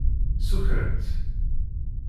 Ssukren-tt.